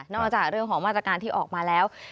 จากเรื่องของมาตรการที่ออกมาแล้ว